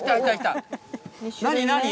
何何？